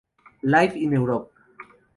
Live in Europe!